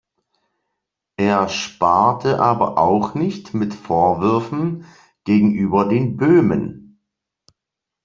Er sparte aber auch nicht mit Vorwürfen gegenüber den Böhmen.